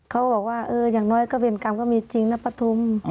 เขาบอกว่าอย่างน้อยก็เวรกรรมก็มีจริงนะปฐุม